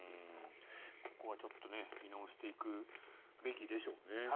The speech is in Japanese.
ここは見直していくべきでしょうね。